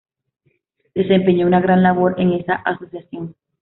Desempeñó una gran labor en esa asociación.